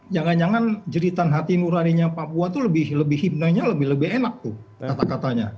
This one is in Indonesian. jangan jangan jeritan hati nuraninya papua itu lebih hibnanya lebih lebih enak tuh kata katanya